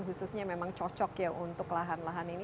khususnya memang cocok ya untuk lahan lahan ini